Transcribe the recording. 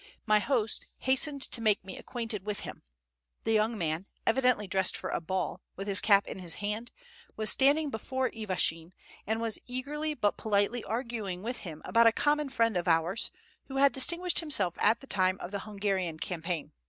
My host hastened to make me acquainted with him. The young man, evidently dressed for a ball, with his cap in his hand, was standing before Ivashin, and was eagerly but politely arguing with him about a common friend of ours, who had distinguished himself at the time of the Hungarian campaign.